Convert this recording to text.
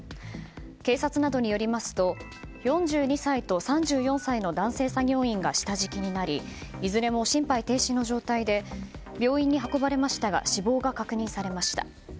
警察などによりますと４２歳と３４歳の男性作業員が下敷きになりいずれも心肺停止の状態で病院に運ばれましたが死亡が確認されました。